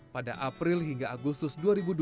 pada april hingga agustus dua ribu dua puluh